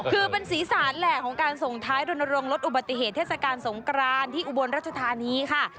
คือเป็นสีสารแหละของการส่งท้ายรณรงค์ลดอุบัติเหตุเทศกาลสงกรานที่อุบลรัชธานีค่ะ